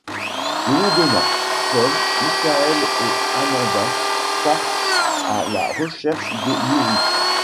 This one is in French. Le lendemain, Paul, Michael et Amanda partent à la recherche de Yuri.